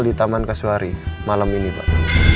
di taman kasuari malam ini pak